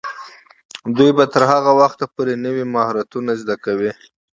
دوی به تر هغه وخته پورې نوي مهارتونه زده کوي.